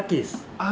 ああ